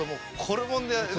これもんでね